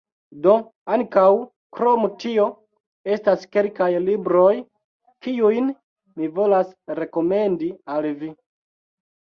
Do, ankaŭ, krom tio, estas kelkaj libroj, kiujn mi volas rekomendi al vi: